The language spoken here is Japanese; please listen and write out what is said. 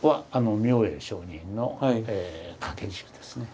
明恵上人の掛け軸ですね。